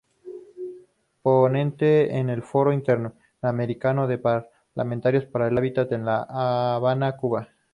Ponente en el Foro Interamericano de Parlamentarios para el Hábitat en la Habana Cuba.